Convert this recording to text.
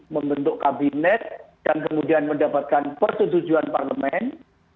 membentuk kabinet dan kemudian mendapatkan persetujuan parlemen